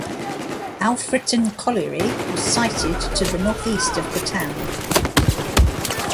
Alfreton colliery was sited to the north-east of the town.